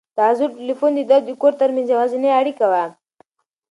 دا زوړ تلیفون د ده او د کور تر منځ یوازینۍ اړیکه وه.